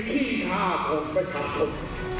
พี่ค่าของประชาชน